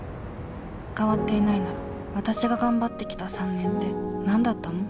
変わっていないならわたしが頑張ってきた３年って何だったの？